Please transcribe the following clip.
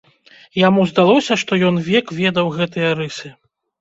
Яму здалося, што ён век ведаў гэтыя рысы!